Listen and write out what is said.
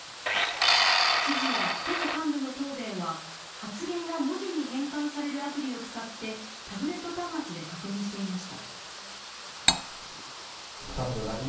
知事や都の幹部の答弁は発言が文字に変換されるアプリを使ってタブレット端末で確認していました。